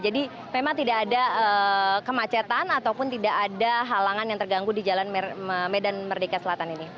jadi memang tidak ada kemacetan ataupun tidak ada halangan yang terganggu di jalan medan merdeka selatan ini